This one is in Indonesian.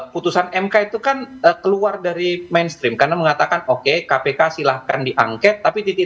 putusan mk itu kan keluar dari mainstream karena mengatakan oke kpk silahkan diangket tapi titik